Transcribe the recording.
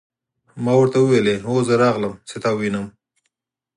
ما ورته وویل: هو زه راغلم، چې ته ووینم.